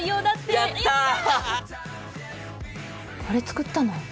これ作ったの？